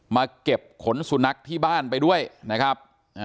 มาเก็บขนสุนัขที่บ้านไปด้วยนะครับ